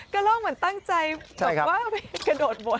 กระลอกเหมือนตั้งใจบอกว่ากระโดดวน